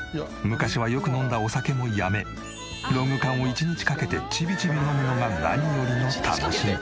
昔はよく飲んだお酒もやめロング缶を１日かけてチビチビ飲むのが何よりの楽しみ。